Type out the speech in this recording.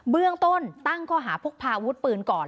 เบื้องต้นตั้งข้อหาพกพาอาวุธปืนก่อน